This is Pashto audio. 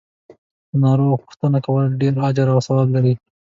د ناروغ پو ښتنه کول ډیر اجر او ثواب لری .